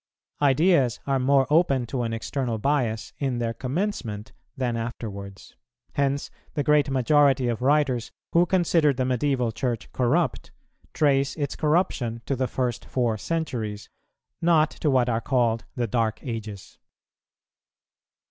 Ideas are more open to an external bias in their commencement than afterwards; hence the great majority of writers who consider the Medieval Church corrupt, trace its corruption to the first four centuries, not to what are called the dark ages.